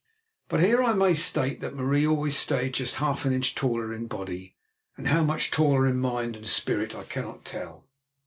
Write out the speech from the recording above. But here I may state that Marie always stayed just half an inch the taller in body, and how much taller in mind and spirit I cannot tell.